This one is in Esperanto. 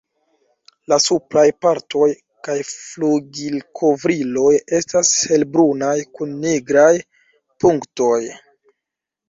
La supraj partoj kaj flugilkovriloj estas helbrunaj kun nigraj punktoj.